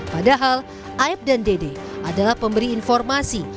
padahal aep dan dda adalah pemberi informasi